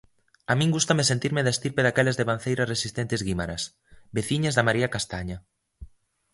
A min gústame sentirme da estirpe daquelas devanceiras resistentes guímaras, veciñas de María Castaña.